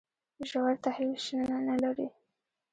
ژور تحلیل شننه نه لري.